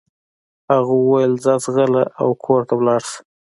هغه وويل ځه ځغله او کور ته ولاړه شه.